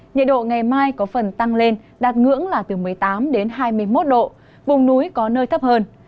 nhiệt độ ngày mai có phần tăng lên đạt ngưỡng là từ một mươi tám đến hai mươi một độ vùng núi có nơi thấp hơn